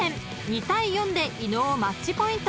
２対４で伊野尾マッチポイント］